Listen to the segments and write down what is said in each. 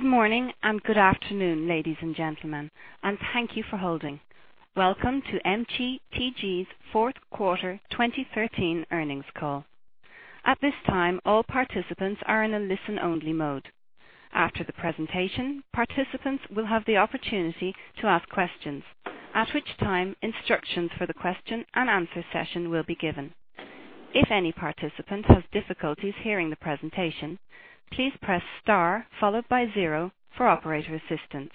Good morning and good afternoon, ladies and gentlemen, and thank you for holding. Welcome to MTG's fourth quarter 2013 earnings call. At this time, all participants are in a listen-only mode. After the presentation, participants will have the opportunity to ask questions, at which time instructions for the question and answer session will be given. If any participant has difficulties hearing the presentation, please press star followed by zero for operator assistance.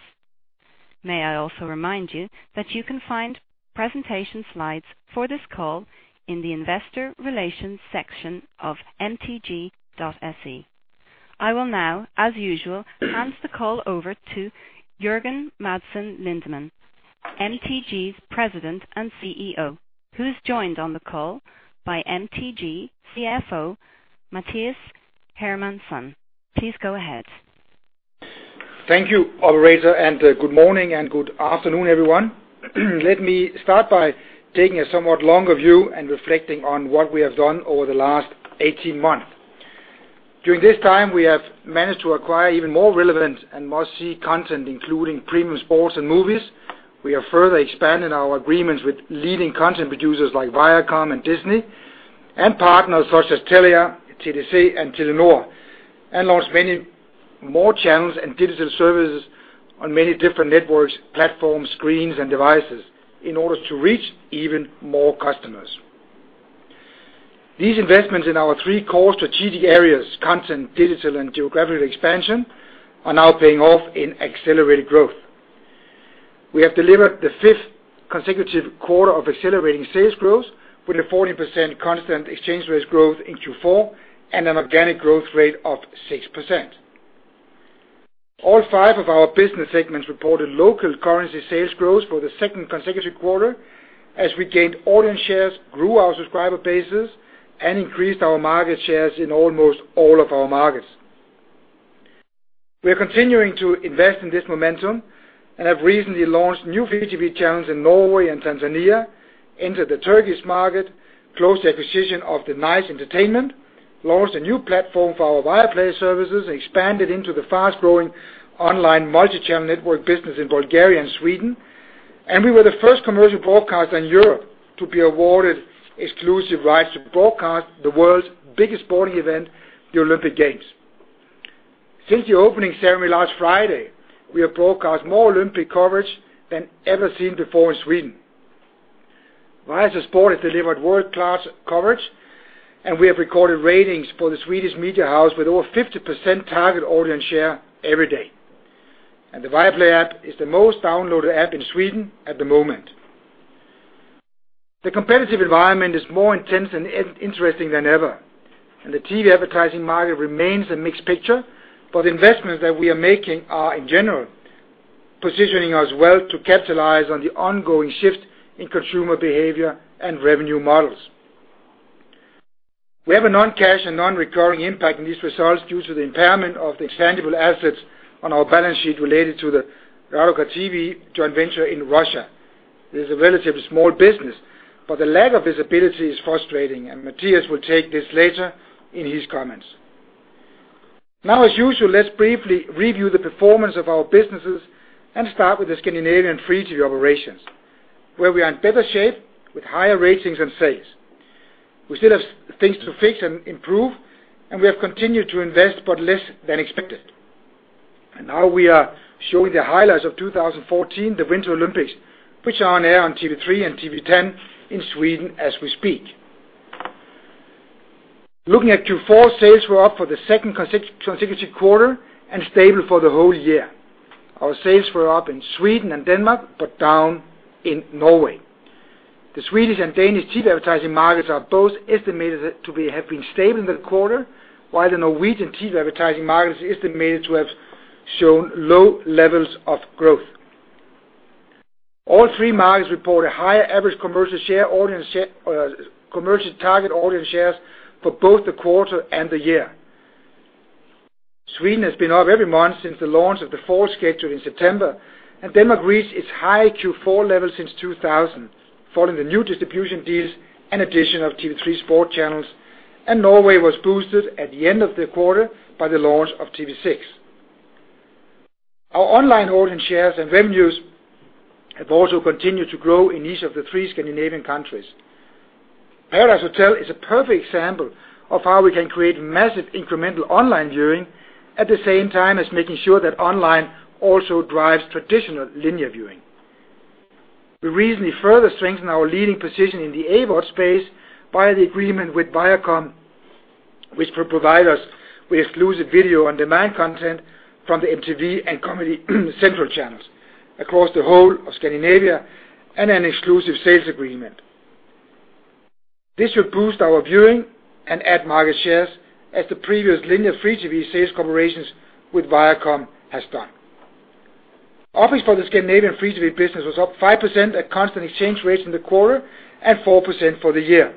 May I also remind you that you can find presentation slides for this call in the investor relations section of mtg.se. I will now, as usual, hand the call over to Jørgen Madsen Lindemann, MTG's President and CEO, who's joined on the call by MTG CFO, Mathias Hermansson. Please go ahead. Thank you, operator, and good morning and good afternoon, everyone. Let me start by taking a somewhat longer view and reflecting on what we have done over the last 18 months. During this time, we have managed to acquire even more relevant and must-see content, including premium sports and movies. We have further expanded our agreements with leading content producers like Viacom and Disney, and partners such as Telia, TDC, and Telenor, and launched many more channels and digital services on many different networks, platforms, screens, and devices in order to reach even more customers. These investments in our three core strategic areas, content, digital, and geographical expansion, are now paying off in accelerated growth. We have delivered the fifth consecutive quarter of accelerating sales growth with a 14% constant exchange rate growth in Q4 and an organic growth rate of 6%. All five of our business segments reported local currency sales growth for the second consecutive quarter as we gained audience shares, grew our subscriber bases, and increased our market shares in almost all of our markets. We are continuing to invest in this momentum and have recently launched new free TV channels in Norway and Tanzania, entered the Turkish market, closed the acquisition of the Nice Entertainment Group, launched a new platform for our Viaplay services, expanded into the fast-growing online multi-channel network business in Bulgaria and Sweden, and we were the first commercial broadcaster in Europe to be awarded exclusive rights to broadcast the world's biggest sporting event, the Olympic Games. Since the opening ceremony last Friday, we have broadcast more Olympic coverage than ever seen before in Sweden. Viasat Sport has delivered world-class coverage, and we have recorded ratings for the Swedish Media House with over 50% target audience share every day. The Viaplay app is the most downloaded app in Sweden at the moment. The competitive environment is more intense and interesting than ever, and the TV advertising market remains a mixed picture. The investments that we are making are, in general, positioning us well to capitalize on the ongoing shift in consumer behavior and revenue models. We have a non-cash and non-recurring impact in these results due to the impairment of the extendable assets on our balance sheet related to the Raduga TV joint venture in Russia. This is a relatively small business, but the lack of visibility is frustrating, and Mathias will take this later in his comments. Now, as usual, let's briefly review the performance of our businesses and start with the Scandinavian free TV operations, where we are in better shape with higher ratings and sales. We still have things to fix and improve, we have continued to invest, but less than expected. We are showing the highlights of 2014, the Winter Olympics, which are on air on TV3 and TV10 in Sweden as we speak. Looking at Q4, sales were up for the second consecutive quarter and stable for the whole year. Our sales were up in Sweden and Denmark, but down in Norway. The Swedish and Danish TV advertising markets are both estimated to have been stable in the quarter, while the Norwegian TV advertising market is estimated to have shown low levels of growth. All three markets report a higher average commercial target audience shares for both the quarter and the year. Sweden has been up every month since the launch of the fall schedule in September, Denmark reached its high Q4 level since 2000, following the new distribution deals and addition of TV3 Sport channels, Norway was boosted at the end of the quarter by the launch of TV6. Our online audience shares and revenues have also continued to grow in each of the three Scandinavian countries. Paradise Hotel is a perfect example of how we can create massive incremental online viewing at the same time as making sure that online also drives traditional linear viewing. We recently further strengthened our leading position in the AVOD space via the agreement with Viacom, which will provide us with exclusive video-on-demand content from the MTV and Comedy Central channels across the whole of Scandinavia and an exclusive sales agreement. This should boost our viewing and add market shares as the previous linear free TV sales corporations with Viacom has done. EBIT for the Scandinavian free TV business was up 5% at constant exchange rates in the quarter and 4% for the year.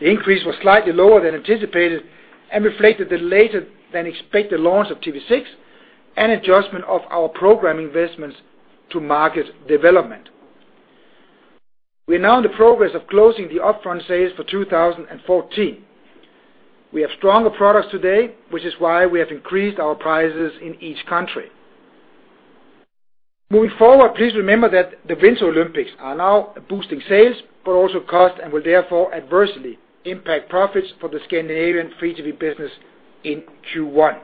The increase was slightly lower than anticipated and reflected the later than expected launch of TV6 and adjustment of our program investments to market development. We are now in the progress of closing the upfront sales for 2014. We have stronger products today, which is why we have increased our prices in each country. Moving forward, please remember that the Winter Olympics are now boosting sales, but also cost, and will therefore adversely impact profits for the Scandinavian free TV business in Q1.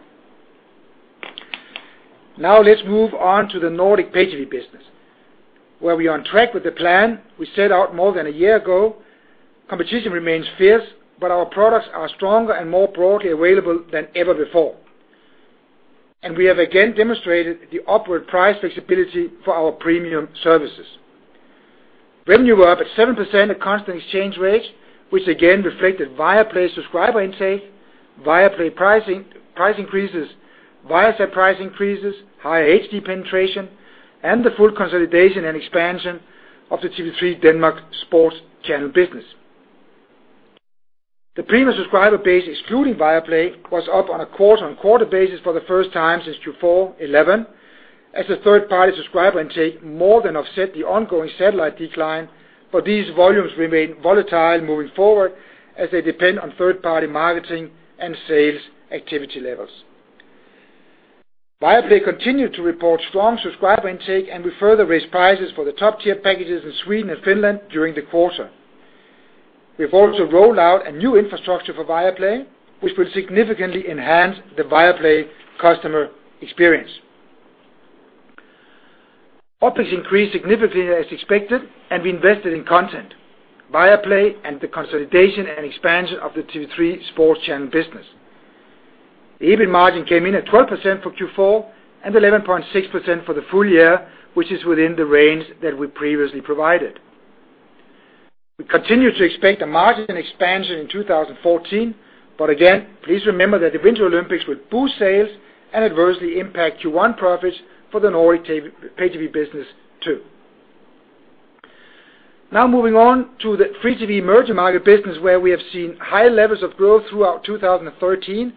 Let's move on to the Nordic pay TV business, where we are on track with the plan we set out more than a year ago. Competition remains fierce, but our products are stronger and more broadly available than ever before. We have again demonstrated the upward price flexibility for our premium services. Revenue were up at 7% at constant exchange rates, which again reflected Viaplay subscriber intake, Viaplay price increases, Viasat price increases, higher HD penetration, and the full consolidation and expansion of the TV3 Denmark sports channel business. The premium subscriber base, excluding Viaplay, was up on a quarter-on-quarter basis for the first time since Q4 2011, as the third-party subscriber intake more than offset the ongoing satellite decline. These volumes remain volatile moving forward as they depend on third-party marketing and sales activity levels. Viaplay continued to report strong subscriber intake, and we further raised prices for the top-tier packages in Sweden and Finland during the quarter. We've also rolled out a new infrastructure for Viaplay, which will significantly enhance the Viaplay customer experience. OpEx increased significantly as expected, and we invested in content. Viaplay and the consolidation and expansion of the TV3 Sports channel business. The EBIT margin came in at 12% for Q4 and 11.6% for the full year, which is within the range that we previously provided. We continue to expect a margin expansion in 2014. Again, please remember that the Winter Olympics will boost sales and adversely impact Q1 profits for the Nordic pay TV business too. Moving on to the free TV emerging market business, where we have seen high levels of growth throughout 2013.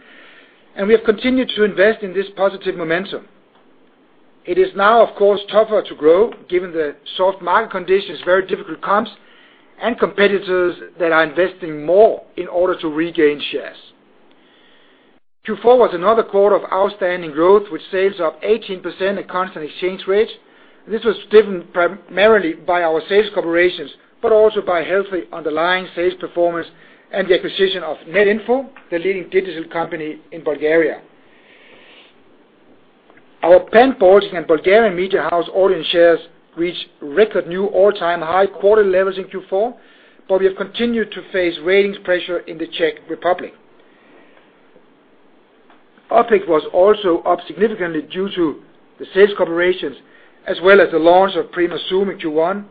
We have continued to invest in this positive momentum. It is now, of course, tougher to grow given the soft market conditions, very difficult comps, and competitors that are investing more in order to regain shares. Q4 was another quarter of outstanding growth with sales up 18% at constant exchange rates. This was driven primarily by our sales operations, but also by healthy underlying sales performance and the acquisition of Netinfo, the leading digital company in Bulgaria. Our pan-Baltic and Bulgarian media house audience shares reached record new all-time high quarter levels in Q4. We have continued to face ratings pressure in the Czech Republic. OpEx was also up significantly due to the sales operations, as well as the launch of Prima Zoom in Q1,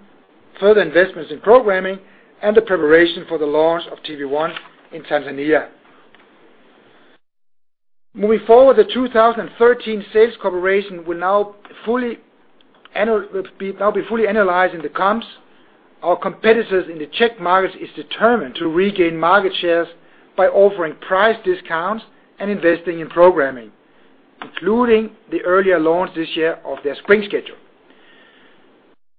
further investments in programming, and the preparation for the launch of TV1 in Tanzania. Moving forward, the 2013 sales operations will now be fully analyzed in the comps. Our competitors in the Czech markets is determined to regain market shares by offering price discounts and investing in programming, including the earlier launch this year of their spring schedule.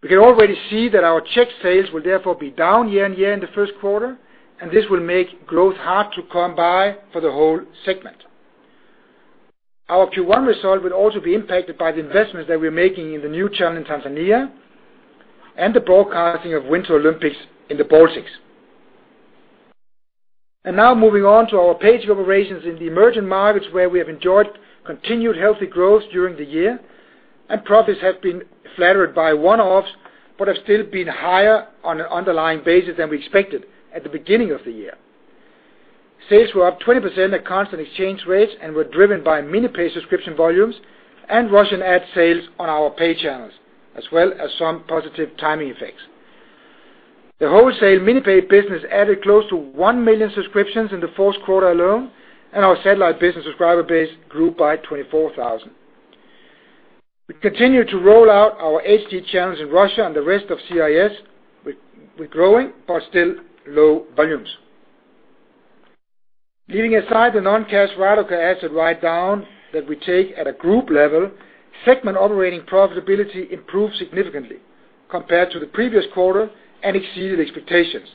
We can already see that our Czech sales will therefore be down year-on-year in the first quarter, and this will make growth hard to come by for the whole segment. Our Q1 result will also be impacted by the investments that we're making in the new channel in Tanzania and the broadcasting of Winter Olympics in the Baltics. Moving on to our pay TV operations in the emerging markets where we have enjoyed continued healthy growth during the year. Profits have been flattered by one-offs, but have still been higher on an underlying basis than we expected at the beginning of the year. Sales were up 20% at constant exchange rates and were driven by MiniPay subscription volumes and Russian ad sales on our pay channels, as well as some positive timing effects. The wholesale MiniPay business added close to 1 million subscriptions in the first quarter alone, and our satellite business subscriber base grew by 24,000. We continue to roll out our HD channels in Russia and the rest of CIS. We're growing, but still low volumes. Leaving aside the non-cash [radical] asset write-down that we take at a group level, segment operating profitability improved significantly compared to the previous quarter and exceeded expectations.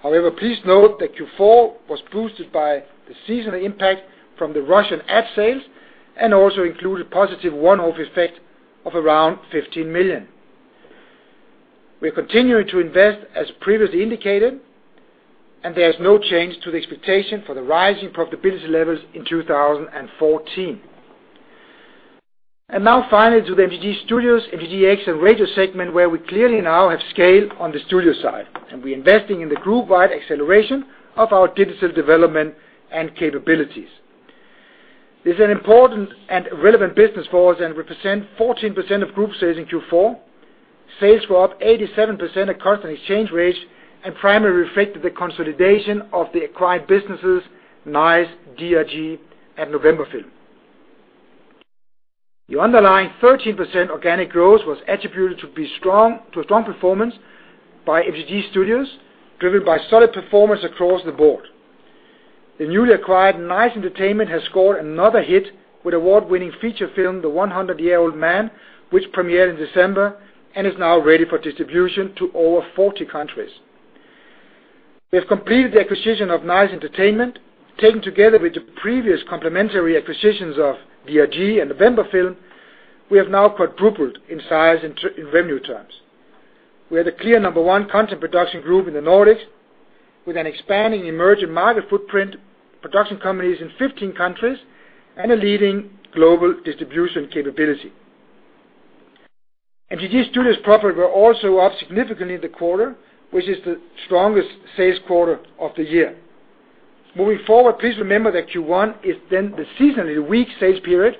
However, please note that Q4 was boosted by the seasonal impact from the Russian ad sales and also included positive one-off effect of around 15 million. We are continuing to invest as previously indicated. There is no change to the expectation for the rise in profitability levels in 2014. Finally to the MTG Studios, MTGx and Radio segment, where we clearly now have scale on the studio side. We're investing in the group-wide acceleration of our digital development and capabilities. This is an important and relevant business for us and represent 14% of group sales in Q4. Sales were up 87% at constant exchange rates and primarily reflected the consolidation of the acquired businesses, Nice, DRG and Novemberfilm. The underlying 13% organic growth was attributed to a strong performance by MTG Studios, driven by solid performance across the board. The newly acquired Nice Entertainment has scored another hit with award-winning feature film, "The 100-Year-Old Man Who Climbed Out the Window and Disappeared," which premiered in December and is now ready for distribution to over 40 countries. We have completed the acquisition of Nice Entertainment. Taken together with the previous complimentary acquisitions of DRG and Novemberfilm, we have now quadrupled in size in revenue terms. We are the clear number one content production group in the Nordics, with an expanding emerging market footprint, production companies in 15 countries, and a leading global distribution capability. MTG Studios' profit were also up significantly in the quarter, which is the strongest sales quarter of the year. Moving forward, please remember that Q1 is then the seasonally weak sales period.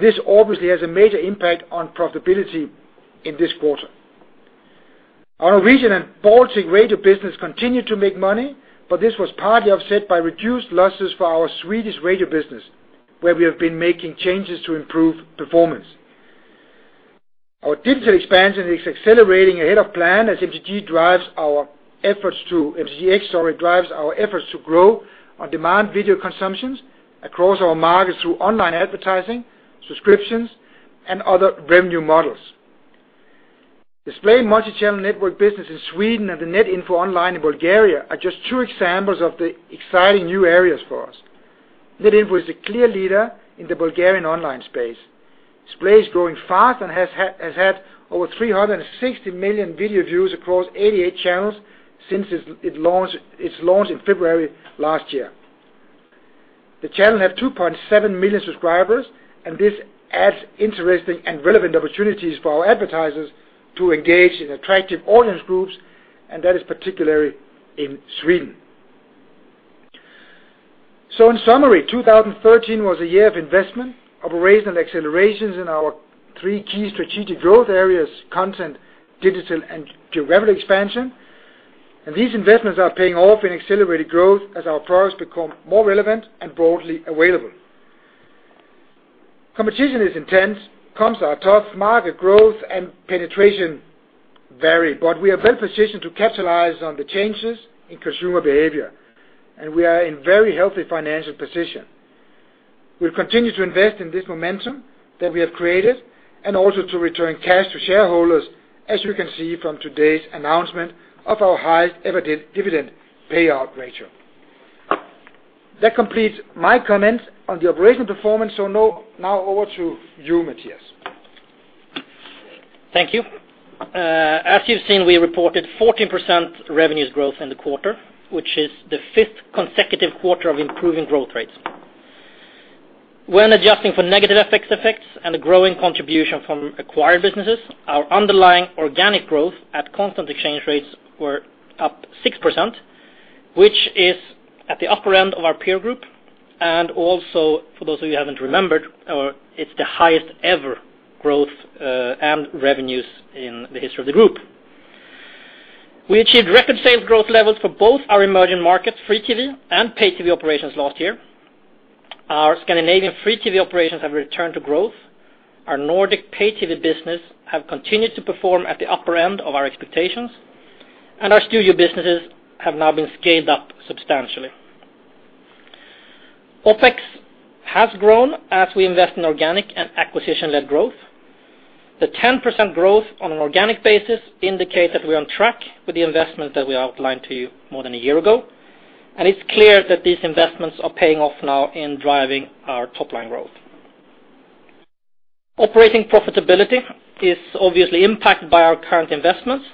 This obviously has a major impact on profitability in this quarter. Our region and Baltic radio business continued to make money. This was partly offset by reduced losses for our Swedish radio business, where we have been making changes to improve performance. Our digital expansion is accelerating ahead of plan as MTGx drives our efforts to grow our demand video consumptions across our markets through online advertising, subscriptions, and other revenue models. Splay multichannel network business in Sweden and the Netinfo online in Bulgaria are just two examples of the exciting new areas for us. Netinfo is a clear leader in the Bulgarian online space. Splay is growing fast and has had over 360 million video views across 88 channels since its launch in February last year. The channel had 2.7 million subscribers. This adds interesting and relevant opportunities for our advertisers to engage in attractive audience groups. That is particularly in Sweden. In summary, 2013 was a year of investment, operational accelerations in our three key strategic growth areas, content, digital, and geographic expansion. These investments are paying off in accelerated growth as our products become more relevant and broadly available. Competition is intense, comps are tough, market growth and penetration vary. We are well-positioned to capitalize on the changes in consumer behavior. We are in very healthy financial position. We'll continue to invest in this momentum that we have created and also to return cash to shareholders, as you can see from today's announcement of our highest-ever dividend payout ratio. That completes my comments on the operational performance, so now over to you, Mathias. Thank you. As you've seen, we reported 14% revenues growth in the quarter, which is the fifth consecutive quarter of improving growth rates. When adjusting for negative FX effects and the growing contribution from acquired businesses, our underlying organic growth at constant exchange rates were up 6%, which is at the upper end of our peer group. Also, for those of you who haven't remembered, it's the highest ever growth and revenues in the history of the group. We achieved record sales growth levels for both our emerging markets, free TV and pay TV operations last year. Our Scandinavian free TV operations have returned to growth. Our Nordic pay TV business have continued to perform at the upper end of our expectations, and our studio businesses have now been scaled up substantially. OpEx has grown as we invest in organic and acquisition-led growth. The 10% growth on an organic basis indicates that we're on track with the investment that we outlined to you more than a year ago. It's clear that these investments are paying off now in driving our top-line growth. Operating profitability is obviously impacted by our current investments,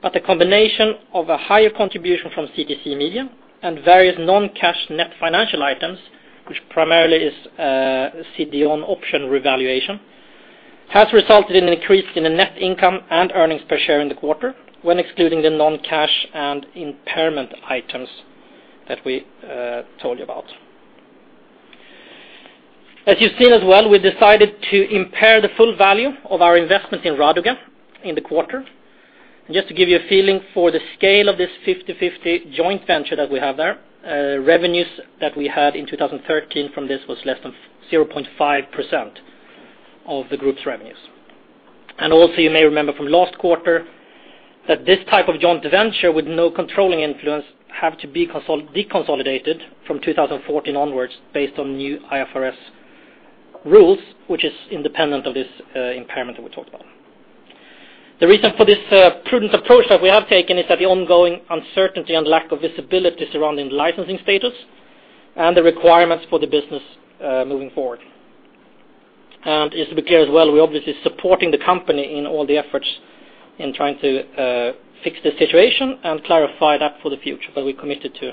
but the combination of a higher contribution from CTC Media and various non-cash net financial items, which primarily is a CTC option revaluation, has resulted in an increase in the net income and earnings per share in the quarter when excluding the non-cash and impairment items that we told you about. As you've seen as well, we decided to impair the full value of our investment in Raduga in the quarter. Just to give you a feeling for the scale of this 50/50 joint venture that we have there, revenues that we had in 2013 from this was less than 0.5% of the group's revenues. Also, you may remember from last quarter that this type of joint venture with no controlling influence had to be deconsolidated from 2014 onwards based on new IFRS rules, which is independent of this impairment that we talked about. The reason for this prudent approach that we have taken is that the ongoing uncertainty and lack of visibility surrounding the licensing status and the requirements for the business moving forward. Just to be clear as well, we're obviously supporting the company in all the efforts in trying to fix the situation and clarify that for the future, but we're committed to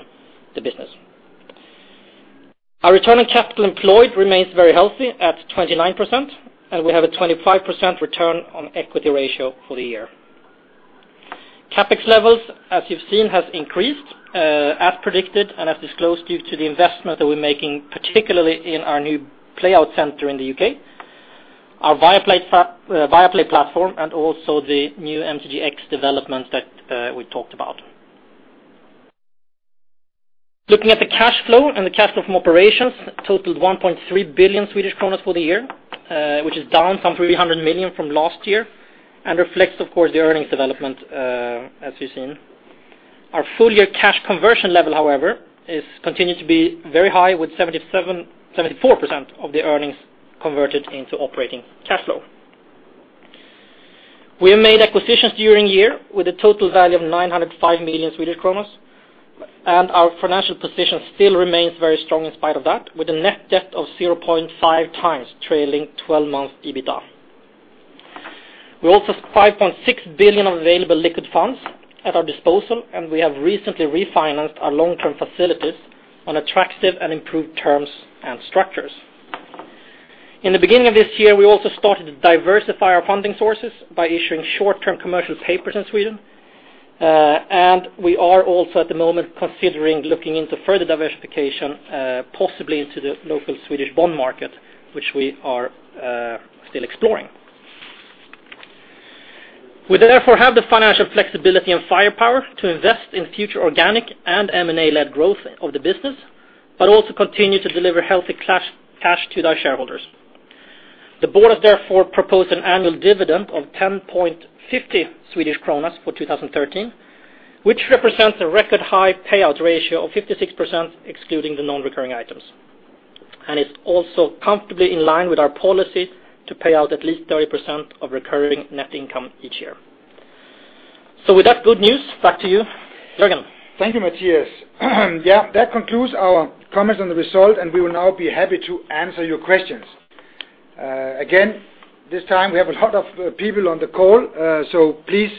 the business. Our return on capital employed remains very healthy at 29%, and we have a 25% return on equity ratio for the year. CapEx levels, as you've seen, has increased, as predicted and as disclosed due to the investment that we're making, particularly in our new playout center in the U.K., our Viaplay platform, and also the new MTGx developments that we talked about. Looking at the cash flow and the cash flow from operations totaled 1.3 billion for the year, which is down some 300 million from last year and reflects, of course, the earnings development as we've seen. Our full year cash conversion level, however, has continued to be very high with 74% of the earnings converted into operating cash flow. We have made acquisitions during the year with a total value of 905 million, and our financial position still remains very strong in spite of that, with a net debt of 0.5 times trailing 12 months EBITDA. We also have 5.6 billion of available liquid funds at our disposal, and we have recently refinanced our long-term facilities on attractive and improved terms and structures. In the beginning of this year, we also started to diversify our funding sources by issuing short-term commercial papers in Sweden. We are also at the moment considering looking into further diversification, possibly into the local Swedish bond market, which we are still exploring. We therefore have the financial flexibility and firepower to invest in future organic and M&A-led growth of the business, but also continue to deliver healthy cash to our shareholders. The board has therefore proposed an annual dividend of 10.50 Swedish kronor for 2013, which represents a record high payout ratio of 56%, excluding the non-recurring items. It is also comfortably in line with our policy to pay out at least 30% of recurring net income each year. So with that good news, back to you, Jørgen. Thank you, Mathias. Yeah, that concludes our comments on the result, and we will now be happy to answer your questions. Again, this time we have a lot of people on the call, so please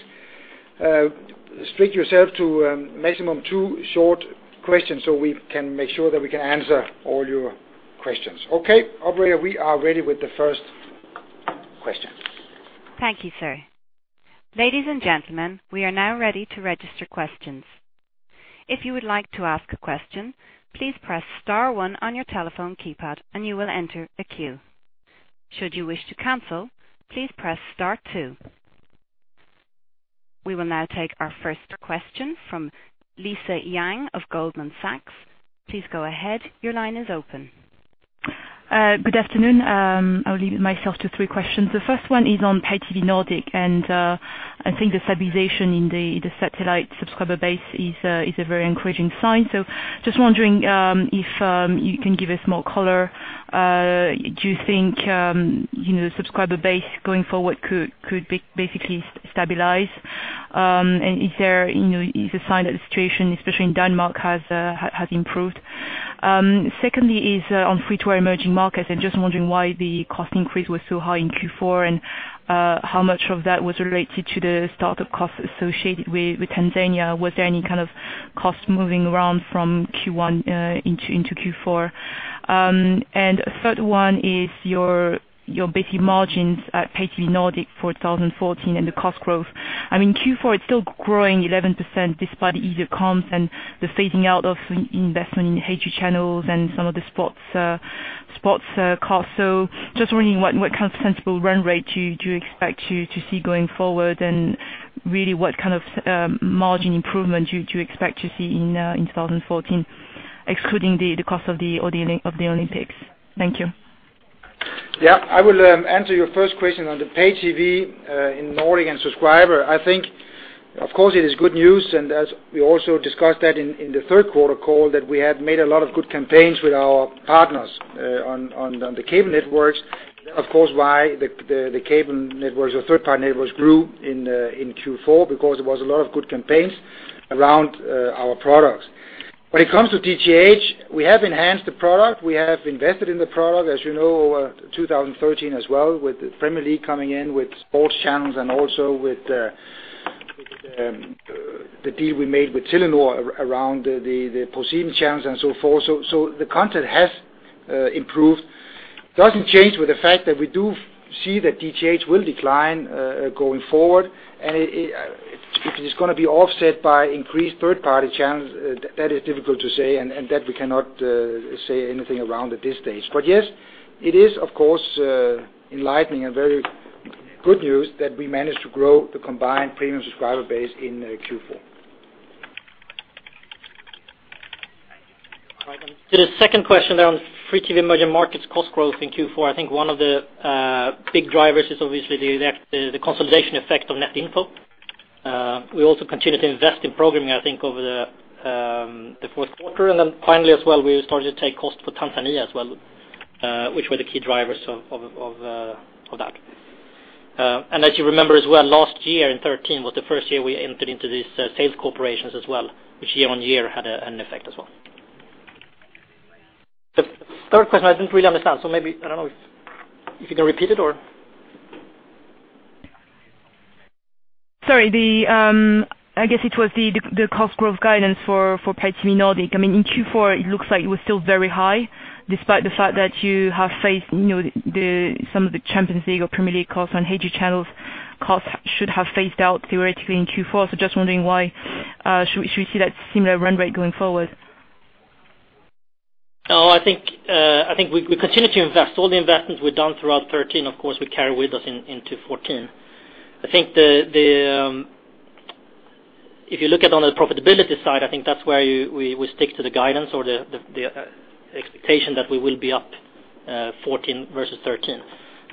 restrict yourself to a maximum two short questions so we can make sure that we can answer all your questions. Operator, we are ready with the first question. Thank you, sir. Ladies and gentlemen, we are now ready to register questions. If you would like to ask a question, please press star one on your telephone keypad and you will enter a queue. Should you wish to cancel, please press star two. We will now take our first question from Lisa Yang of Goldman Sachs. Please go ahead. Your line is open. Good afternoon. I'll limit myself to 3 questions. The 1st one is on Pay TV Nordic. I think the stabilization in the satellite subscriber base is a very encouraging sign. Just wondering if you can give us more color. Do you think the subscriber base going forward could basically stabilize? Is there a sign that the situation, especially in Denmark, has improved? Secondly is on free to air emerging markets. Just wondering why the cost increase was so high in Q4, and how much of that was related to the start-up costs associated with Tanzania. Was there any kind of cost moving around from Q1 into Q4? Third one is your basic margins at Pay TV Nordic for 2014 and the cost growth. I mean, Q4, it's still growing 11% despite the ease of comps and the phasing out of investment in HD channels and some of the sports costs. Just wondering what kind of sensible run rate do you expect to see going forward and really what kind of margin improvement do you expect to see in 2014, excluding the cost of the Olympics? Thank you. Yeah. I will answer your 1st question on the Pay TV Nordic and subscriber. I think, of course, it is good news. As we also discussed that in the third quarter call, that we have made a lot of good campaigns with our partners on the cable networks. That, of course, why the cable networks or third-party networks grew in Q4 because there was a lot of good campaigns around our products. When it comes to DTH, we have enhanced the product. We have invested in the product, as you know, 2013 as well, with the Premier League coming in, with sports channels and also with the deal we made with Telenor around the proceeding channels and so forth. The content has improved. Doesn't change with the fact that we do see that DTH will decline going forward. If it's going to be offset by increased third-party channels, that is difficult to say, and that we cannot say anything around at this stage. Yes, it is, of course, enlightening and very good news that we managed to grow the combined premium subscriber base in Q4. All right. To the second question around free TV emerging markets cost growth in Q4, I think one of the big drivers is obviously the consolidation effect of Netinfo. We also continued to invest in programming, I think of the fourth quarter. Then finally as well, we started to take cost for Tanzania as well, which were the key drivers of that. As you remember as well, last year in 2013 was the first year we entered into these sales operations as well, which year-over-year had an effect as well. The third question, I didn't really understand, so maybe, I don't know if you can repeat it or? Sorry. I guess it was the cost growth guidance for Pay TV Nordic. In Q4, it looks like it was still very high, despite the fact that you have faced some of the Champions League or Premier League costs on HD channels. Costs should have phased out theoretically in Q4. Just wondering why should we see that similar run rate going forward? No, I think we continue to invest. All the investments we've done throughout 2013, of course, we carry with us into 2014. I think if you look at it on the profitability side, I think that's where we stick to the guidance or the expectation that we will be up 2014 versus 2013.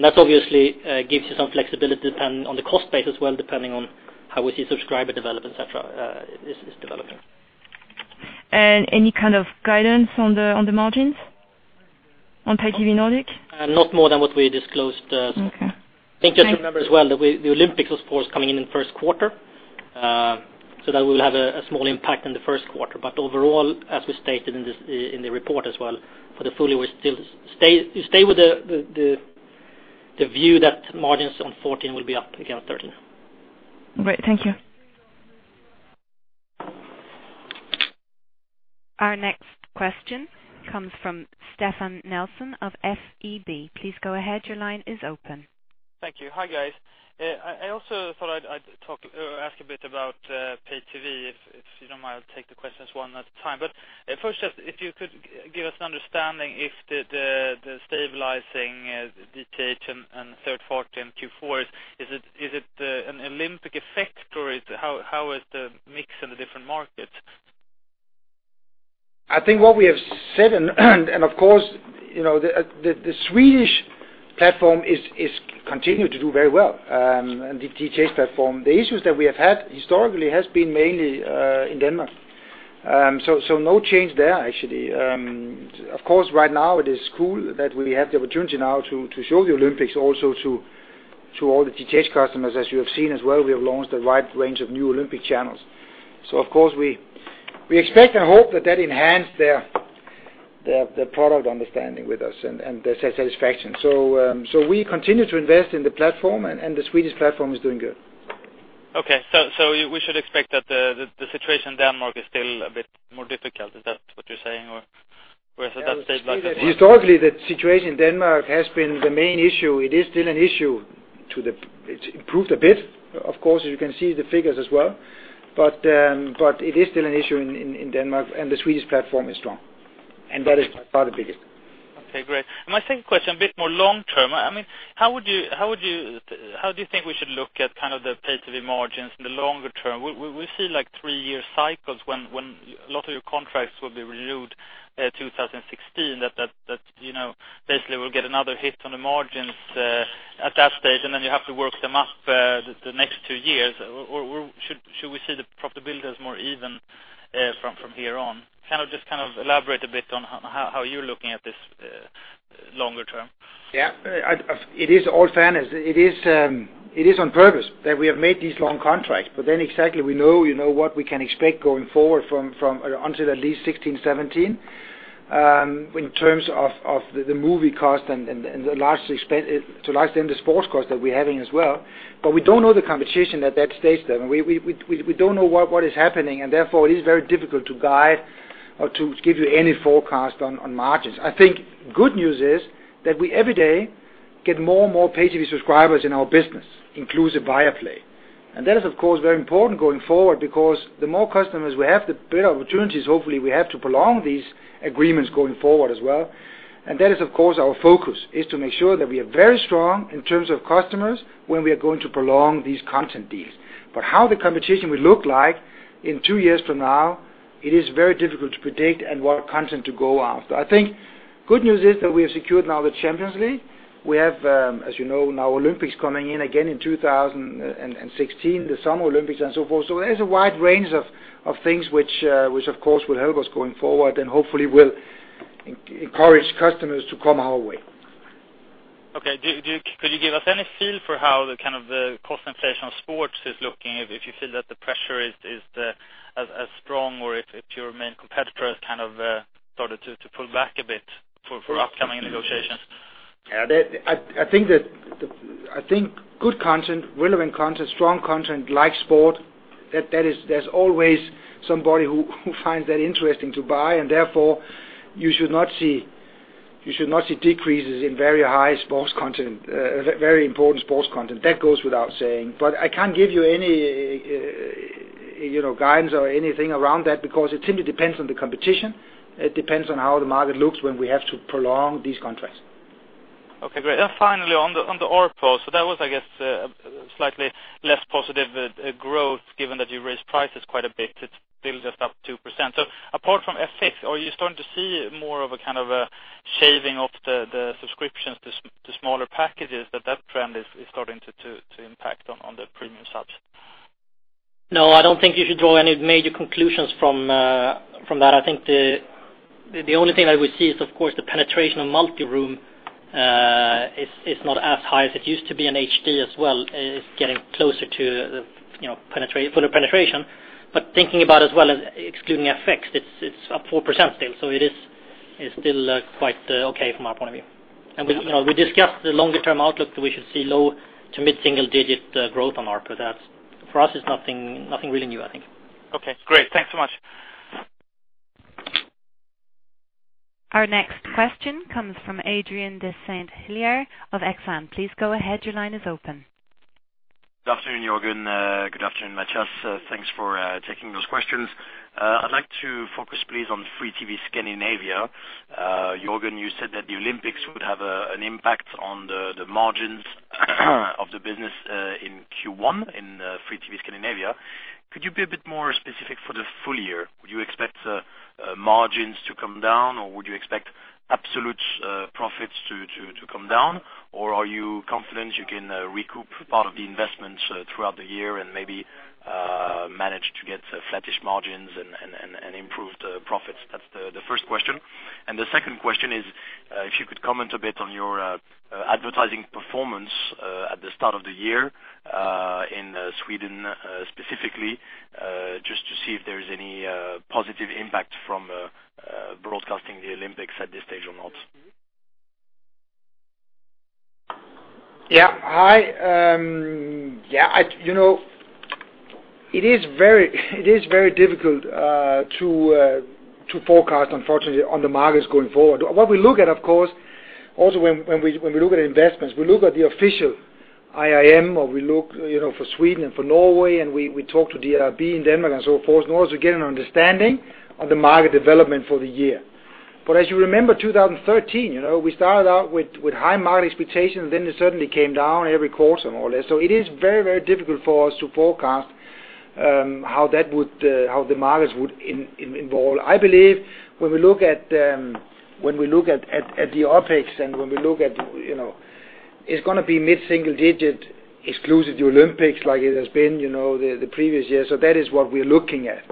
That obviously gives you some flexibility on the cost base as well, depending on how we see subscriber development, et cetera, is developing. Any kind of guidance on the margins on Pay TV Nordic? Not more than what we disclosed. Okay. I think just remember as well that the Olympics is, of course, coming in in the first quarter, so that will have a small impact in the first quarter. Overall, as we stated in the report as well, for the full year, we stay with the view that margins on 2014 will be up again on 2013. Great. Thank you. Our next question comes from Stefan Nelson of SEB. Please go ahead. Your line is open. Thank you. Hi, guys. I also thought I'd ask a bit about pay TV, if you don't mind. I'll take the questions one at a time. First, just if you could give us an understanding if the stabilizing DTH in third quarter and Q4, is it an Olympic effect, or how is the mix in the different markets? I think what we have said, of course, the Swedish platform is continuing to do very well, the DTH platform. The issues that we have had historically has been mainly in Denmark. No change there, actually. Of course, right now it is cool that we have the opportunity now to show the Olympics also to all the DTH customers. As you have seen as well, we have launched a wide range of new Olympic channels. Of course, we expect and hope that enhanced their product understanding with us and their satisfaction. We continue to invest in the platform, and the Swedish platform is doing good. Okay, we should expect that the situation in Denmark is still a bit more difficult. Is that what you're saying, or was it at that stage last time? Historically, the situation in Denmark has been the main issue. It is still an issue. It's improved a bit, of course, as you can see the figures as well. It is still an issue in Denmark, and the Swedish platform is strong, and that is by far the biggest. Okay, great. My second question, a bit more long-term. How do you think we should look at the pay-TV margins in the longer term? We see three-year cycles when a lot of your contracts will be renewed 2016. That basically will get another hit on the margins at that stage, then you have to work them up the next two years. Should we see the profitability as more even from here on? Just kind of elaborate a bit on how you're looking at this longer term. Yeah. It is on purpose that we have made these long contracts. Exactly, we know what we can expect going forward from until at least 2016, 2017, in terms of the movie cost and to a large extent, the sports cost that we're having as well. We don't know the competition at that stage then. We don't know what is happening, therefore, it is very difficult to guide or to give you any forecast on margins. I think good news is that we every day get more and more pay-TV subscribers in our business, inclusive Viaplay. That is, of course, very important going forward because the more customers we have, the better opportunities, hopefully, we have to prolong these agreements going forward as well. That is, of course, our focus, is to make sure that we are very strong in terms of customers when we are going to prolong these content deals. How the competition will look like in two years from now, it is very difficult to predict and what content to go after. I think good news is that we have secured now the Champions League. We have, as you know now, Olympics coming in again in 2016, the Summer Olympics and so forth. There's a wide range of things which, of course, will help us going forward and hopefully will encourage customers to come our way. Okay. Could you give us any feel for how the cost inflation of sports is looking? If you feel that the pressure is as strong or if your main competitor has kind of started to pull back a bit for upcoming negotiations? I think good content, relevant content, strong content like sport, there's always somebody who finds that interesting to buy, and therefore, you should not see decreases in very important sports content. That goes without saying. I can't give you any guidance or anything around that because it simply depends on the competition. It depends on how the market looks when we have to prolong these contracts. Okay, great. Finally, on the ARPU. That was, I guess, slightly less positive growth given that you raised prices quite a bit. It's still just up 2%. Apart from FX, are you starting to see more of a kind of shaving off the subscriptions to smaller packages, that that trend is starting to impact on the premium subs? No, I don't think you should draw any major conclusions from that. I think the only thing I would see is, of course, the penetration of multi-room is not as high as it used to be, and HD as well is getting closer to the full penetration. Thinking about it as well, excluding FX, it's up 4% still. It is still quite okay from our point of view. We discussed the longer-term outlook that we should see low to mid-single digit growth on ARPU. That for us is nothing really new, I think. Okay, great. Thanks so much. Our next question comes from Adrien de Saint Hilaire of Exane. Please go ahead. Your line is open. Good afternoon, Jørgen. Good afternoon, Mathias. Thanks for taking those questions. I'd like to focus please, on Free TV Scandinavia. Jørgen, you said that the Olympics would have an impact on the margins of the business in Q1 in Free TV Scandinavia. Could you be a bit more specific for the full year? Would you expect margins to come down, or would you expect absolute profits to come down? Or are you confident you can recoup part of the investments throughout the year and maybe manage to get flattish margins and improve the profits? That's the first question. The second question is, if you could comment a bit on your advertising performance at the start of the year in Sweden, specifically, just to see if there's any positive impact from broadcasting the Olympics at this stage or not. It is very difficult to forecast, unfortunately, on the markets going forward. What we look at, of course, also when we look at investments, we look at the official IRM, or we look for Sweden and for Norway, and we talk to DR in Denmark and so forth, in order to get an understanding of the market development for the year. As you remember, 2013, we started out with high market expectations, then it suddenly came down every quarter and all that. It is very difficult for us to forecast how the markets would evolve. I believe when we look at the OpEx and when we look at it's going to be mid-single digit exclusive to Olympics like it has been the previous years. That is what we're looking at.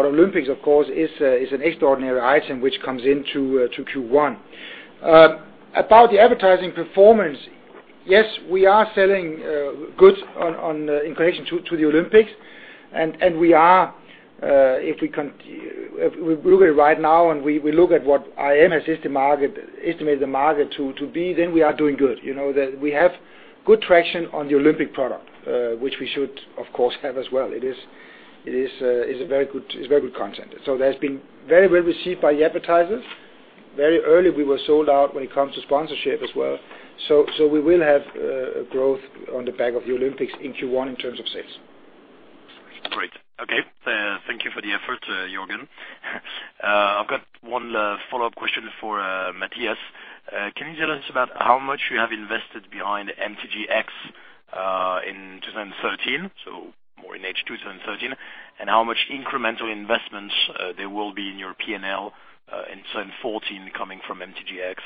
Olympics, of course, is an extraordinary item which comes into Q1. About the advertising performance, yes, we are selling goods in connection to the Olympics. We are, if we look at it right now and we look at what IRM has estimated the market to be, then we are doing good. We have good traction on the Olympic product, which we should, of course, have as well. It's very good content. That's been very well received by the advertisers. Very early we were sold out when it comes to sponsorship as well. We will have growth on the back of the Olympics in Q1 in terms of sales. Great. Okay. Thank you for the effort, Jørgen. I've got one follow-up question for Mathias. Can you tell us about how much you have invested behind MTGx in 2013? So more in H2 2013. How much incremental investments there will be in your P&L in 2014 coming from MTGx?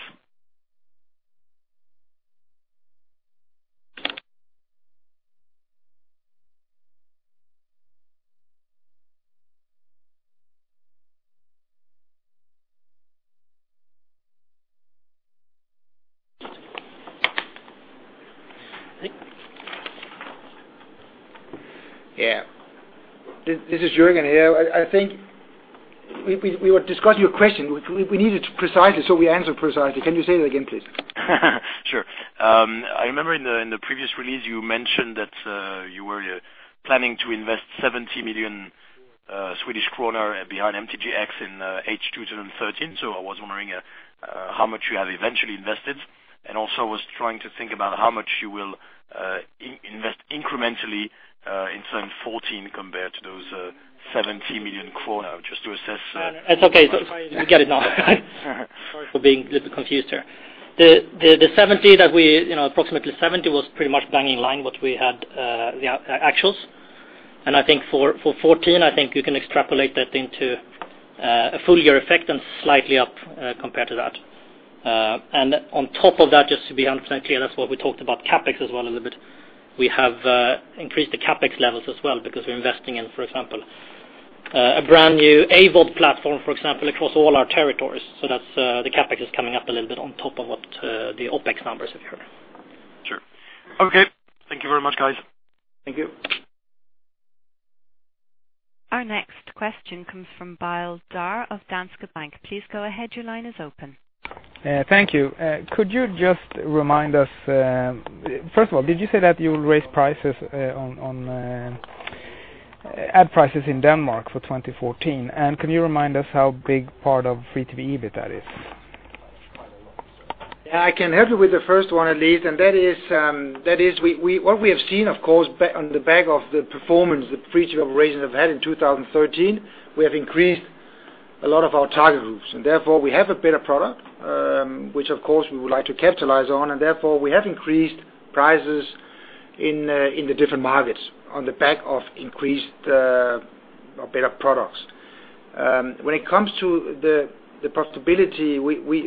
Yeah. This is Jørgen here. I think we were discussing your question. We need it precisely so we answer precisely. Can you say that again, please? Sure. I remember in the previous release you mentioned that you were planning to invest 70 million Swedish kronor behind MTGx in H2 2013. I was wondering how much you have eventually invested, also was trying to think about how much you will invest incrementally in 2014 compared to those 70 million kronor, just to assess. It's okay. We get it now. Sorry for being a little confused here. The approximately 70 million was pretty much bang in line what we had the actuals. I think for 2014, I think you can extrapolate that into a full year effect and slightly up, compared to that. On top of that, just to be 100% clear, that's what we talked about CapEx as well a little bit. We have increased the CapEx levels as well because we're investing in, for example, a brand new AVOD platform, for example, across all our territories. That's the CapEx is coming up a little bit on top of what the OpEx numbers if you remember. Sure. Okay. Thank you very much, guys. Thank you. Our next question comes from Bile Dar of Danske Bank. Please go ahead. Your line is open. Thank you. First of all, did you say that you will raise ad prices in Denmark for 2014? Can you remind us how big part of FreeTV EBIT that is? Yeah, I can help you with the first one at least. That is, what we have seen, of course, on the back of the performance, the free TV operations have had in 2013, we have increased a lot of our target groups, and therefore we have a better product, which of course we would like to capitalize on, and therefore we have increased prices in the different markets on the back of increased or better products. When it comes to the profitability,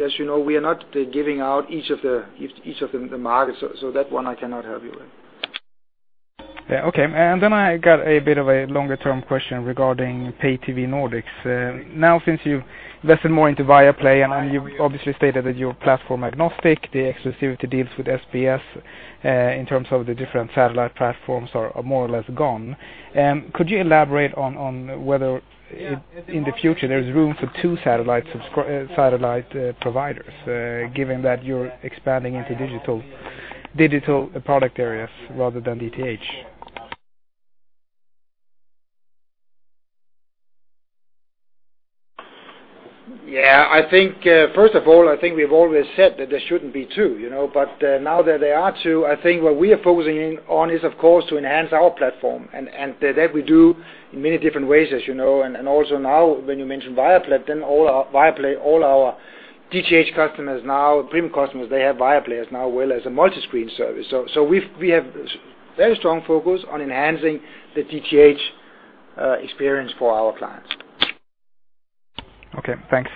as you know, we are not giving out each of the markets. That one I cannot help you with. Yeah. Okay. Then I got a bit of a longer term question regarding pay TV Nordics. Now, since you've invested more into Viaplay, and you've obviously stated that you're platform agnostic, the exclusivity deals with SBS in terms of the different satellite platforms are more or less gone. Could you elaborate on whether in the future there's room for two satellite providers, given that you're expanding into digital product areas rather than DTH? Yeah. First of all, I think we've always said that there shouldn't be two. Now that there are two, I think what we are focusing on is, of course, to enhance our platform. That we do in many different ways, as you know. Also now, when you mention Viaplay, all our DTH customers now, premium customers, they have Viaplay as well as a multi-screen service. We have very strong focus on enhancing the DTH experience for our clients. Okay, thanks.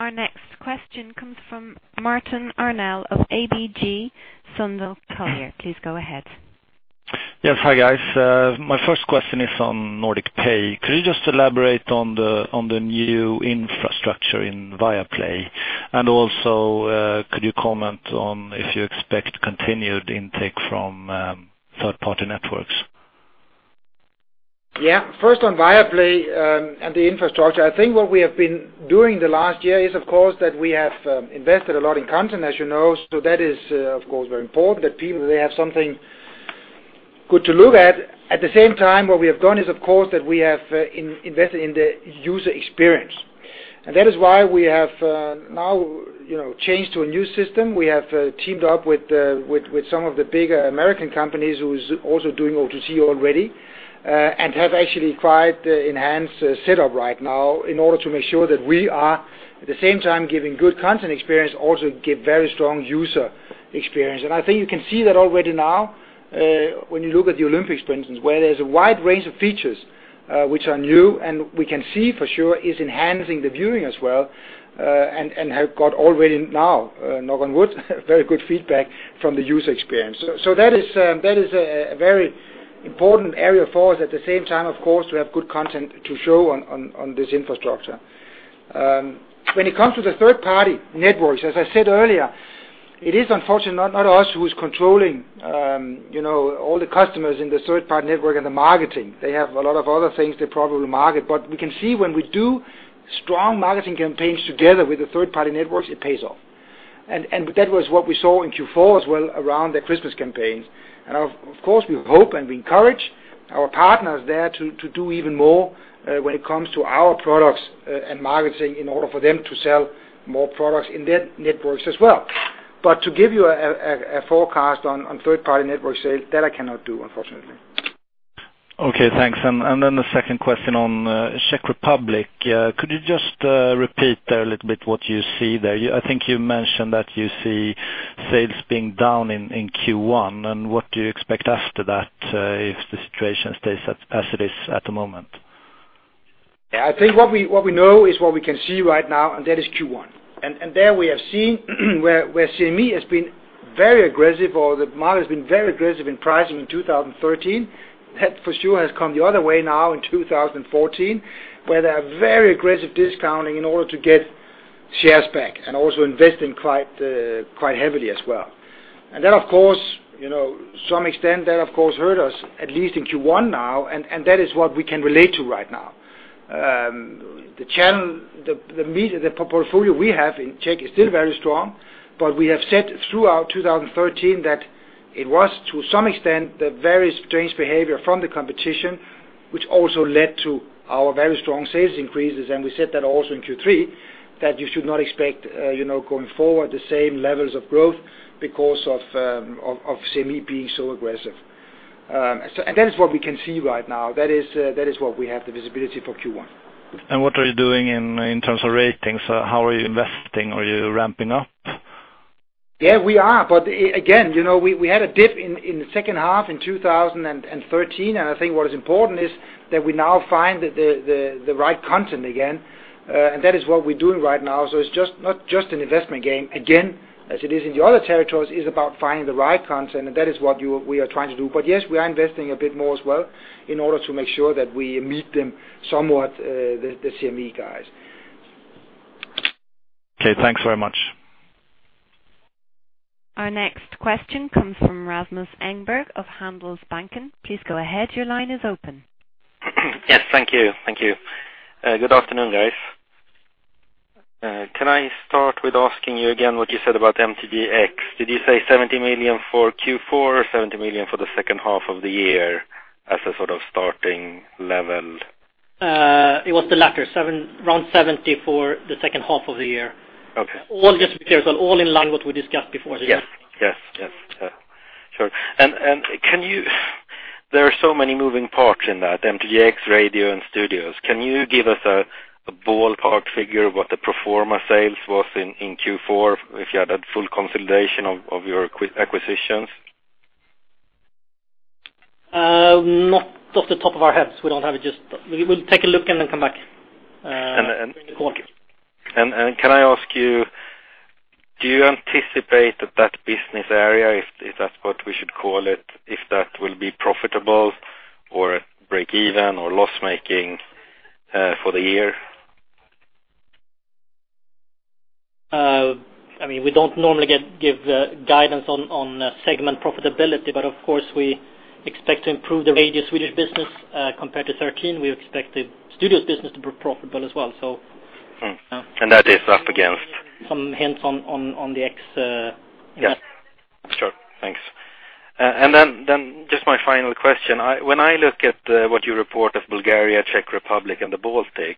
Our next question comes from Martin Arnell of ABG Sundal Collier. Please go ahead. Yes, hi guys. My first question is on Nordic pay. Could you just elaborate on the new infrastructure in Viaplay? Also, could you comment on if you expect continued intake from third-party networks? First, on Viaplay, and the infrastructure. I think what we have been doing the last year is, of course, that we have invested a lot in content, as you know. That is, of course, very important that people, they have something good to look at. At the same time, what we have done is, of course, that we have invested in the user experience. That is why we have now changed to a new system. We have teamed up with some of the bigger American companies who's also doing OTT already, and have actually quite enhanced setup right now in order to make sure that we are at the same time giving good content experience, also give very strong user experience. I think you can see that already now, when you look at the Olympics, for instance, where there's a wide range of features which are new, and we can see for sure is enhancing the viewing as well, and have got already now, knock on wood, very good feedback from the user experience. That is a very important area for us. At the same time, of course, we have good content to show on this infrastructure. When it comes to the third-party networks, as I said earlier, it is unfortunately not us who's controlling all the customers in the third-party network and the marketing. They have a lot of other things they probably market. We can see when we do strong marketing campaigns together with the third-party networks, it pays off. That was what we saw in Q4 as well around the Christmas campaigns. Of course, we hope and we encourage our partners there to do even more, when it comes to our products and marketing in order for them to sell more products in their networks as well. To give you a forecast on third-party network sales, that I cannot do, unfortunately. Okay, thanks. Then the second question on Czech Republic. Could you just repeat there a little bit what you see there? I think you mentioned that you see sales being down in Q1, what do you expect after that, if the situation stays as it is at the moment? I think what we know is what we can see right now, that is Q1. There we have seen where CME has been very aggressive, or the model has been very aggressive in pricing in 2013. For sure has come the other way now in 2014, where they are very aggressive discounting in order to get shares back and also investing quite heavily as well. Some extent, that of course hurt us, at least in Q1 now, that is what we can relate to right now. The channel, the media, the portfolio we have in Czech is still very strong, we have said throughout 2013 that it was to some extent the very strange behavior from the competition, which also led to our very strong sales increases. We said that also in Q3, that you should not expect going forward the same levels of growth because of CME being so aggressive. That is what we can see right now. That is what we have the visibility for Q1. What are you doing in terms of ratings? How are you investing? Are you ramping up? Yeah, we are. Again, we had a dip in the second half in 2013, I think what is important is that we now find the right content again. That is what we're doing right now. It's not just an investment game, again, as it is in the other territories, it is about finding the right content, that is what we are trying to do. Yes, we are investing a bit more as well in order to make sure that we meet them somewhat, the CME guys. Okay, thanks very much. Our next question comes from Rasmus Engberg of Handelsbanken. Please go ahead. Your line is open. Yes. Thank you. Good afternoon, guys. Can I start with asking you again what you said about MTGx? Did you say 70 million for Q4 or 70 million for the second half of the year as a sort of starting level? It was the latter. Around 70 million for the second half of the year. Okay. All just because, all in line what we discussed before. Yes. Sure. There are so many moving parts in that MTGx radio and studios. Can you give us a ballpark figure what the pro forma sales was in Q4 if you had had full consolidation of your acquisitions? Not off the top of our heads. We don't have it. We'll take a look and then come back during the call. Can I ask you, do you anticipate that that business area, if that's what we should call it, if that will be profitable or break even or loss-making for the year? We don't normally give guidance on segment profitability. Of course, we expect to improve the Radio Swedish business, compared to 2013. We expect the Studios business to be profitable as well. That is up against? Some hints on the X investment. Just my final question. When I look at what you report of Bulgaria, Czech Republic, and the Baltics,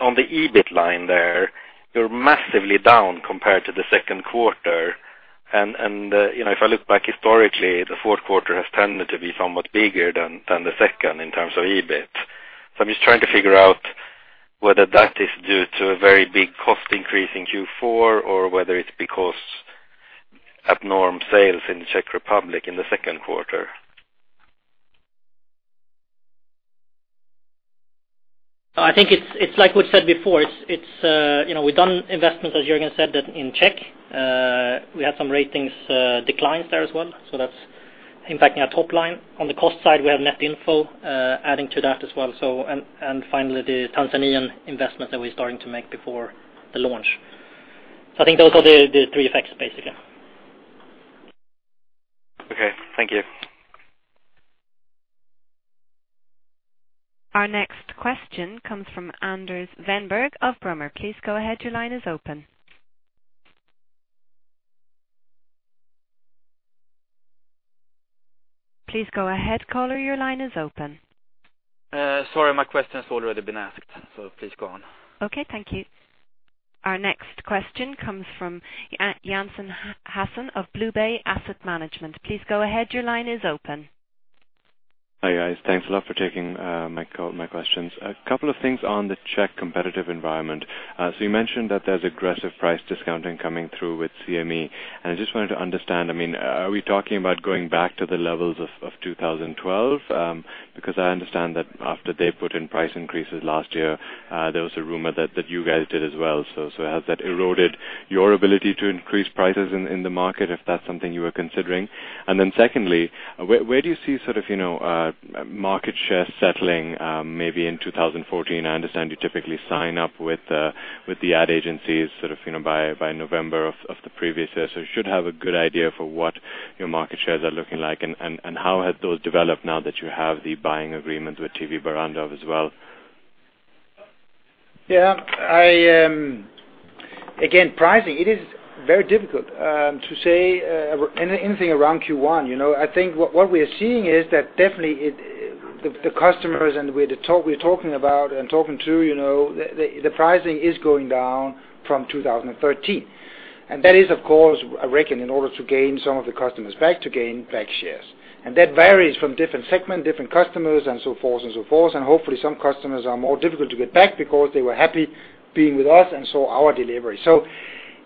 on the EBIT line there, you're massively down compared to the second quarter. If I look back historically, the fourth quarter has tended to be somewhat bigger than the second in terms of EBIT. I'm just trying to figure out whether that is due to a very big cost increase in Q4 or whether it's because abnormal sales in the Czech Republic in the second quarter. I think it's like we've said before, we've done investments, as Jørgen said, in Czech. We had some ratings declines there as well, that's impacting our top line. On the cost side, we have Netinfo, adding to that as well. Finally, the Tanzanian investment that we're starting to make before the launch. I think those are the three effects, basically. Okay. Thank you. Our next question comes from Anders Wennberg of Brummer. Please go ahead, your line is open. Please go ahead, caller. Your line is open. Sorry, my question has already been asked, so please go on. Okay. Thank you. Our next question comes from Jansen Hassan of BlueBay Asset Management. Please go ahead. Your line is open. Hi, guys. Thanks a lot for taking my questions. A couple of things on the Czech competitive environment. You mentioned that there's aggressive price discounting coming through with CME, and I just wanted to understand, are we talking about going back to the levels of 2012? I understand that after they put in price increases last year, there was a rumor that you guys did as well. Has that eroded your ability to increase prices in the market if that's something you were considering? Secondly, where do you see market share settling maybe in 2014? I understand you typically sign up with the ad agencies by November of the previous year. You should have a good idea for what your market shares are looking like, and how have those developed now that you have the buying agreement with TV Barrandov as well? Yeah. Again, pricing, it is very difficult to say anything around Q1. I think what we are seeing is that definitely the customers and we're talking about and talking to, the pricing is going down from 2013. That is, of course, I reckon, in order to gain some of the customers back, to gain back shares. That varies from different segment, different customers, and so forth and so forth. Hopefully, some customers are more difficult to get back because they were happy being with us and saw our delivery.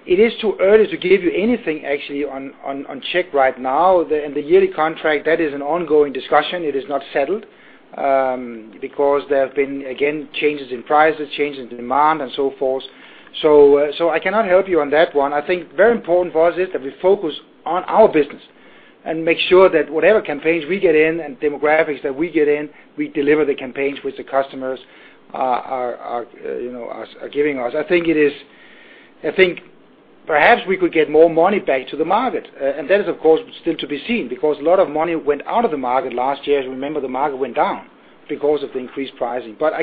It is too early to give you anything actually on Czech right now. The yearly contract, that is an ongoing discussion. It is not settled, because there have been, again, changes in prices, changes in demand, and so forth. I cannot help you on that one. I think very important for us is that we focus on our business and make sure that whatever campaigns we get in and demographics that we get in, we deliver the campaigns which the customers are giving us. I think perhaps we could get more money back to the market, that is, of course, still to be seen, because a lot of money went out of the market last year. As you remember, the market went down because of the increased pricing. I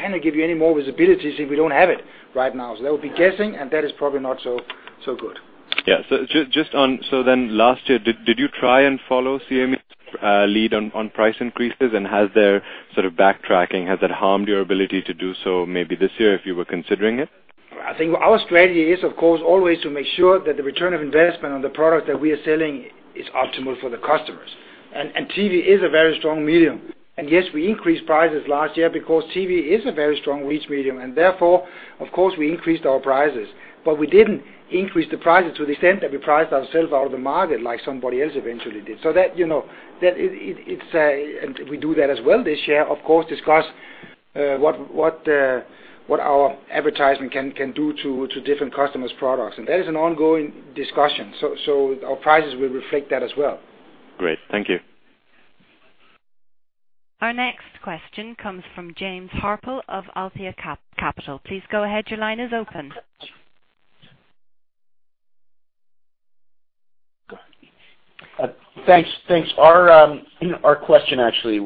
cannot give you any more visibilities if we don't have it right now. That would be guessing, and that is probably not so good. Yeah. Last year, did you try and follow CME's lead on price increases, has their sort of backtracking, has that harmed your ability to do so maybe this year if you were considering it? I think our strategy is, of course, always to make sure that the return on investment on the product that we are selling is optimal for the customers. TV is a very strong medium. Yes, we increased prices last year because TV is a very strong reach medium, therefore, of course, we increased our prices. We didn't increase the prices to the extent that we priced ourselves out of the market like somebody else eventually did. We do that as well this year, of course, discuss what our advertising can do to different customers' products. That is an ongoing discussion. Our prices will reflect that as well. Great. Thank you. Our next question comes from James Harpel of Althea Capital. Please go ahead. Your line is open. Thanks. Our question actually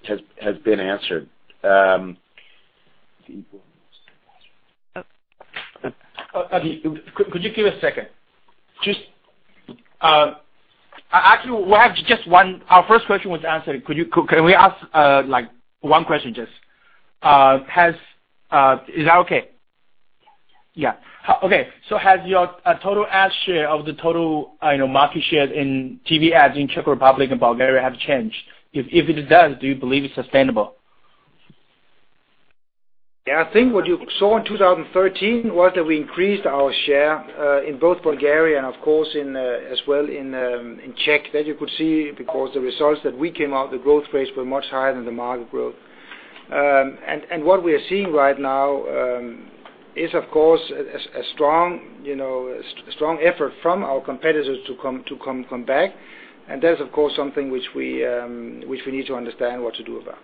has been answered. Could you give a second? Actually, we have just one. Our first question was answered. Can we ask one question just? Is that okay? Yes. Yeah. Okay. Has your total ad share of the total market share in TV ads in Czech Republic and Bulgaria have changed? If it does, do you believe it's sustainable? Yeah, I think what you saw in 2013 was that we increased our share, in both Bulgaria and of course, as well in Czech that you could see, because the results that we came out, the growth rates were much higher than the market growth. What we are seeing right now is, of course, a strong effort from our competitors to come back. That is, of course, something which we need to understand what to do about.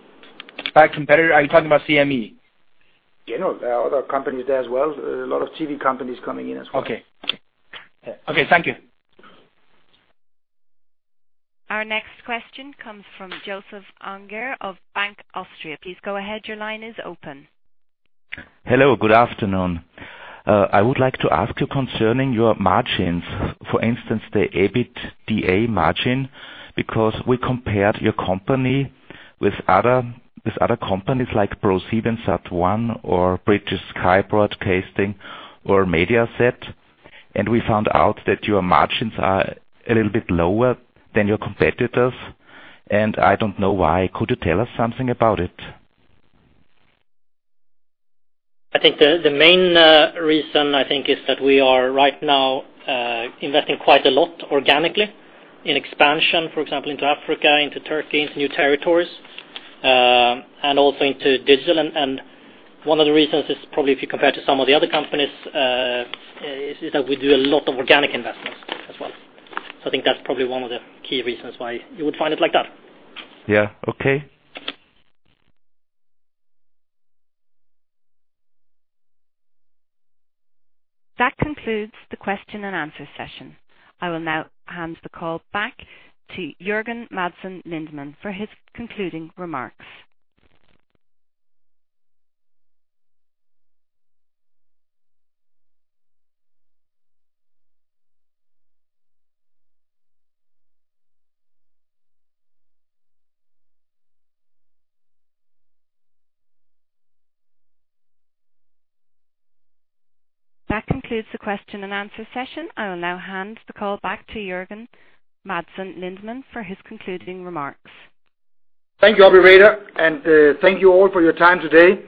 By competitor, are you talking about CME? No. There are other companies there as well. A lot of TV companies coming in as well. Okay. Thank you. Our next question comes from Joseph Anger of Bank Austria. Please go ahead. Your line is open. Hello, good afternoon. I would like to ask you concerning your margins, for instance, the EBITDA margin, because we compared your company with other companies like ProSiebenSat.1 or British Sky Broadcasting or Mediaset. I don't know why. Could you tell us something about it? I think the main reason, I think, is that we are right now investing quite a lot organically in expansion, for example, into Africa, into Turkey, into new territories, and also into digital. One of the reasons is probably if you compare to some of the other companies, is that we do a lot of organic investments as well. I think that's probably one of the key reasons why you would find it like that. Yeah. Okay. That concludes the question and answer session. I will now hand the call back to Jørgen Madsen Lindemann for his concluding remarks. That concludes the question and answer session. I will now hand the call back to Jørgen Madsen Lindemann for his concluding remarks. Thank you, operator, and thank you all for your time today.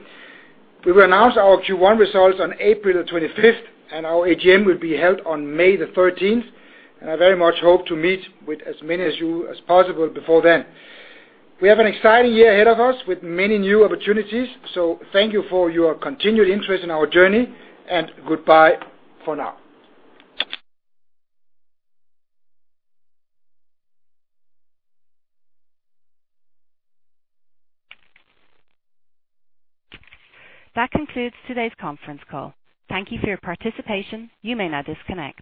We will announce our Q1 results on April the 25th, and our AGM will be held on May the 13th, and I very much hope to meet with as many of you as possible before then. We have an exciting year ahead of us with many new opportunities, so thank you for your continued interest in our journey, and goodbye for now. That concludes today's conference call. Thank you for your participation. You may now disconnect.